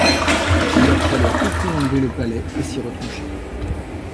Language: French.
Il leur fallait à tout prix enlever le palais et s’y retrancher.